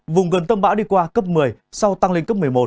vùng gần tâm bão đi qua cấp một mươi sau tăng lên cấp một mươi một